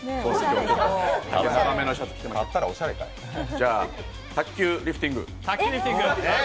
じゃあ卓球リフティング。